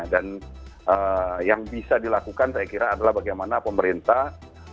dan yang bisa dilakukan saya kira adalah bagaimana pemerintah